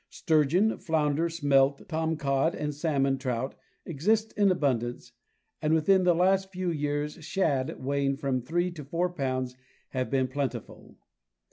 Sturgeon, flounder, smelt, tomcod, and salmon trout exist in abundance, and within the last few years shad weighing from three to four pounds have been plenti ful.